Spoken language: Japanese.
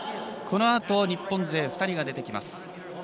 この後、日本勢２人が出てきます。